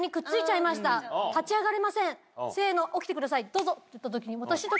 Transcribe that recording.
どうぞ！って言った時に。